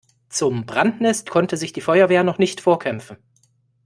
Zum Brandnest konnte sich die Feuerwehr noch nicht vorkämpfen.